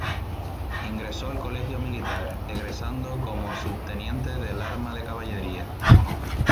Ingresó al Colegio Militar, egresando como subteniente del arma de caballería.